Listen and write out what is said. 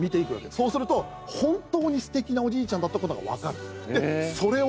そうすると、本当にすてきなおじいちゃんだったことが分かる。